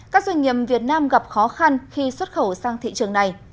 các doanh nghiệp việt nam gặp khó khăn khi xuất khẩu sang thị trường này